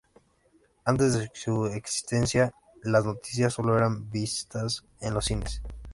Antes de su existencia, las noticias solo eran vistas en los cines.